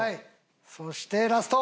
そしてラスト。